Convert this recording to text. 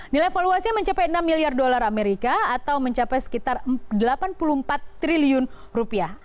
nilai valuasinya mencapai enam miliar dolar amerika atau mencapai sekitar delapan puluh empat triliun rupiah